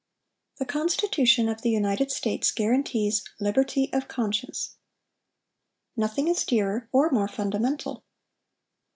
"The Constitution of the United States guarantees liberty of conscience. Nothing is dearer or more fundamental.